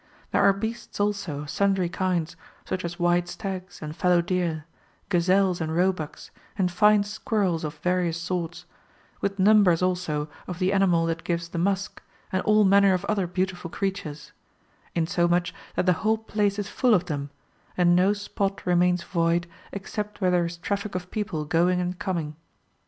There are beasts also of sundry kinds, such as white stags and fallow deer, gazelles and roebucks, and fine squirrels of various sorts, with numbers also of the animal that gives the musk, and all manner of other beautiful creatures,^° insomuch that the whole place is full of them, and no spot remains void except where there is traffic of people going and coming.